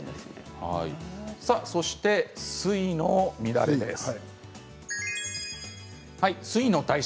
そして、水の乱れです。